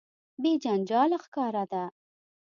بې جنجاله ښکاره ده.